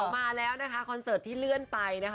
มาแล้วนะคะคอนเสิร์ตที่เลื่อนไปนะคะ